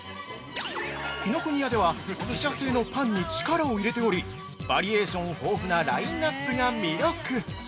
紀ノ国屋では、自社製のパンに力を入れており、バリエーション豊富なラインナップが魅力。